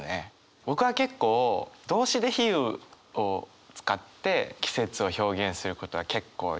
僕は結構動詞で比喩を使って季節を表現することはやるんですよ。